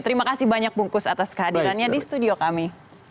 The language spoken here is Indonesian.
terima kasih banyak bungkus atas kehadirannya di studio kami